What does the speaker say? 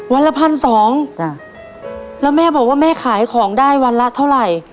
วันละ๑๒๐๐แล้วแม่บอกว่าแม่ขายของได้วันละเท่าไร